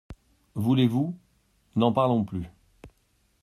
Voulez-vous ?… n’en parlons plus !